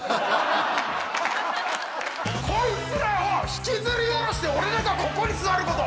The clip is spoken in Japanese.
こいつらを引きずり下ろして俺らがここに座ること！